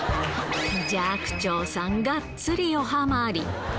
寂聴さん、がっつりおハマり。